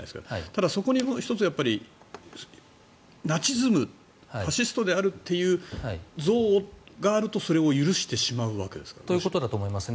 ただ、そこに１つナチズムファシストであるという憎悪があるとそれを許してしまうわけですか？ということだと思います。